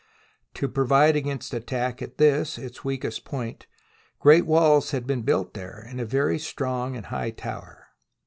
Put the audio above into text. To pro vide against attack at this, its weakest point, great walls had been built there and a very strong and high tower.